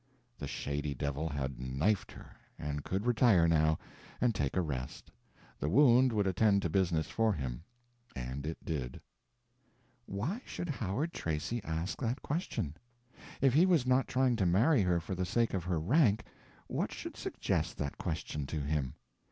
The shady devil had knifed her, and could retire, now, and take a rest; the wound would attend to business for him. And it did. p234.jpg (24K) Why should Howard Tracy ask that question? If he was not trying to marry her for the sake of her rank, what should suggest that question to him?